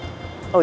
keadaan reva gimana